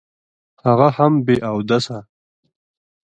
هغه هم بې اوداسه.